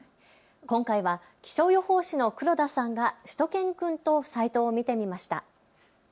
今回は気象予報士の黒田さんがしゅと犬くんとサイトを見てみました。